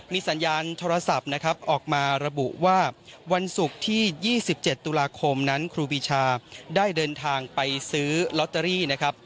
มีสัญญาณโทรศัพท์นะครับออกมาระบุว่าวันศุกร์ที่๒๗ตุลาคมนั้นครูปีชาได้เดินทางไปซื้อลอตเตอรี่นะครับ